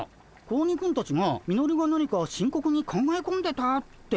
子鬼くんたちがミノルが何か深刻に考え込んでたって言ってたけど？